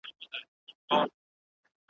په لمبو کي مځکه سره لکه تبۍ ده `